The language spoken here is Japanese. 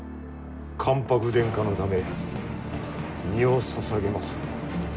関白殿下のため身をささげまする。